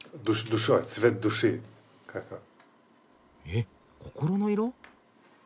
え心の色？